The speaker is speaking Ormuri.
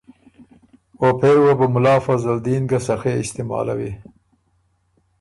او پېری وه بُو ملا فضل دین ګه سخے استعمالوی،